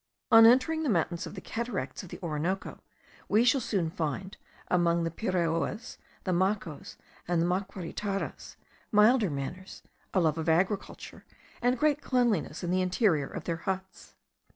On entering the mountains of the Cataracts of the Orinoco, we shall soon find, among the Piraoas, the Macos, and the Maquiritaras, milder manners, a love of agriculture, and great cleanliness in the interior of their huts.